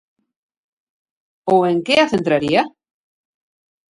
Ou en que a centraría?